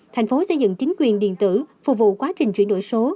thành phố xây dựng chính quyền điện tử phục vụ quá trình chuyển đổi số